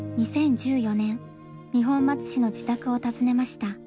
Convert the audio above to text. ２０１４年二本松市の自宅を訪ねました。